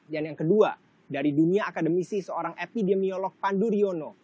dan yang kedua dari dunia akademisi seorang epidemiolog panduryono